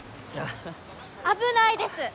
危ないです！